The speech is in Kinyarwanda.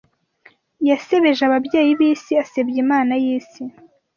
Yasebeje ababyeyi b'isi, asebya Imana y'Isi